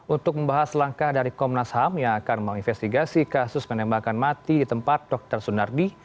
untuk membahas langkah dari komnas ham yang akan menginvestigasi kasus penembakan mati di tempat dr sunardi